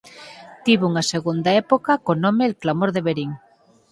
Tivo unha segunda época co nome El Clamor de Verín.